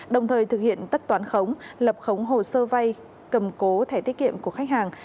đồng thời thực hiện tất toán khống lập khống hồ sơ vay cầm cố thẻ tiết kiệm của khách hàng